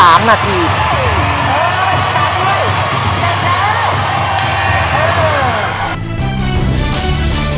โปรดติดตามตอนต่อไป